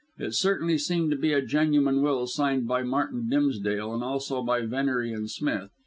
It certainly seemed to be a genuine will signed by Martin Dimsdale and also by Venery and Smith.